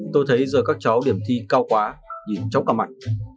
tôi thấy giờ các cháu điểm thi cao quá nhìn chóng cả mặt